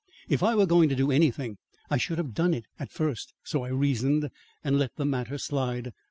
If I were going to do anything, I should have done it at first so I reasoned, and let the matter slide.